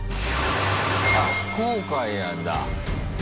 あ非公開なんだ。